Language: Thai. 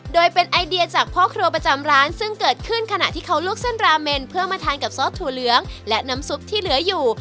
โดยเป็นไอเดียจากพ่อครัวประจำร้านซึ่งเกิดขึ้นขณะที่เขาลวกเส้นราเมนเพื่อมาทานกับซอสถั่วเหลืองและน้ำซุปที่เหลืออยู่